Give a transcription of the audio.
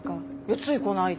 ついこの間。